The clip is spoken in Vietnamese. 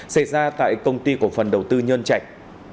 xảy ra tại công ty cổ phần đầu tư nhân trạch